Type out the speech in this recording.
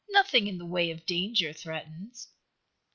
"Nothing in the way of danger threatens."